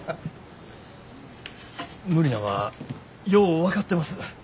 無理なんはよう分かってます。